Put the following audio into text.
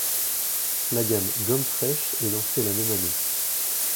La gamme Gommes Fraîches est lancée la même année.